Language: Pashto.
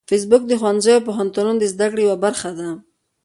فېسبوک د ښوونځیو او پوهنتونونو د زده کړې یوه برخه ده